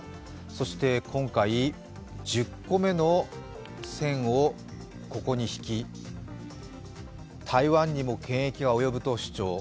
そして今回、１０個目の線をここに引き台湾にも権益が及ぶと主張。